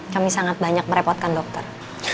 kami sangat banyak merepotkan dokter